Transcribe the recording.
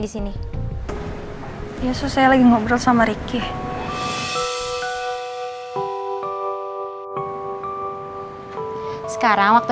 elsa kan gue atau suara robert